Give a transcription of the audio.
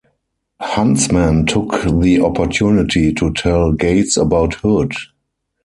Huntsman took the opportunity to tell Gates about Hood.